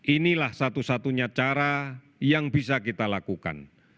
inilah satu satunya cara yang bisa kita lakukan